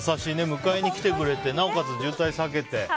迎えに来てくれてなおかつ渋滞避けて。